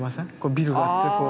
ビルがあってこう。